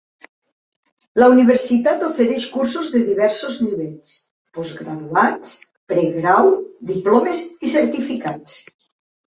La universitat ofereix cursos de diversos nivells: postgraduats, pregrau, diplomes i certificats.